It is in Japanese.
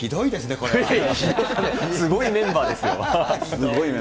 すごいメンバーですよ。